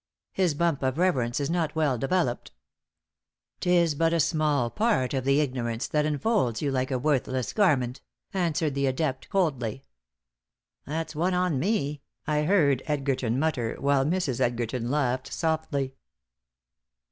His bump of reverence is not well developed. "'Tis but a small part of the ignorance that enfolds you like a worthless garment," answered the adept, coldly. "That's one on me," I heard Edgerton mutter, while Mrs. Edgerton laughed, softly.